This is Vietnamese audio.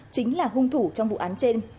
chính là hung thủ trong vụ án trên